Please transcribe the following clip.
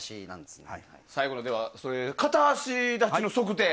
最後に、片足立ちの測定。